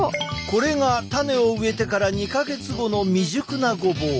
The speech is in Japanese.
これが種を植えてから２か月後の未熟なごぼう。